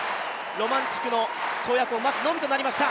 ロマンチュクの跳躍を待つのみとなりました。